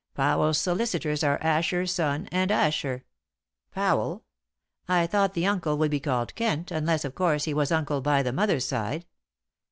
Powell's solicitors are Asher, Son, and Asher " "Powell? I thought the uncle would be called Kent, unless, of course, he was uncle by the mother's side."